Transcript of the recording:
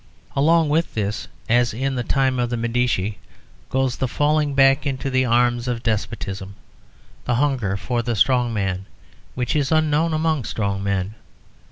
Along with this, as in the time of the Medici, goes the falling back into the arms of despotism, the hunger for the strong man which is unknown among strong men.